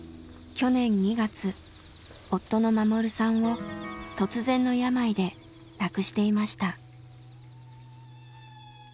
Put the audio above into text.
去年２月夫の守さんを突然の病で亡くしていました。